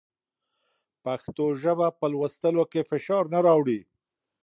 پښتو ژبه په لوستلو کې فشار نه راوړي.